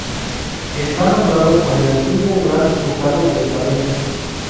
Está nombrado por el antiguo Gran Ducado de Baden.